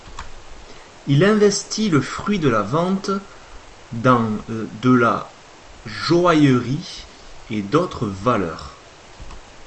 Il investit le fruit de la vente dans de la joaillerie et d’autres valeurs.